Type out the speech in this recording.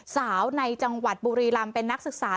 สาวในจังหวัดบุรีรำเป็นนักศึกษา